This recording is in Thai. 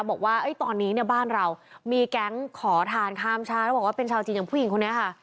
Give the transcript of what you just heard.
บอกว่าตอนนี้เนี่ยบ้านเรามีแก๊งขอทานข้ามชาติแล้วบอกว่าเป็นชาวจีนอย่างผู้หญิงคนนี้ค่ะ